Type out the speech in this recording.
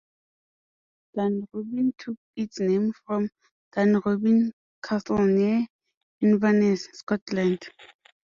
Dunrobin took its name from Dunrobin Castle near Inverness, Scotland.